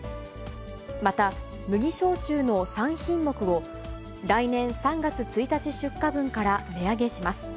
また、麦焼酎の３品目を、来年３月１日出荷分から値上げします。